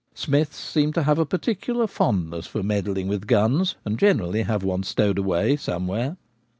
Smiths seem to have a particular fondness for med dling with guns, and generally have one stowed away somewhere.